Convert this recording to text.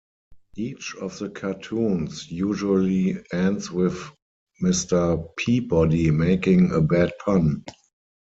Each of the cartoons usually ends with Mr. Peabody making a bad pun.